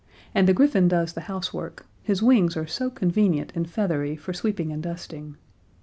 And the griffin does the housework his wings are so convenient and feathery for sweeping and dusting.